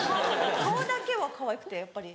顔だけはかわいくてやっぱり。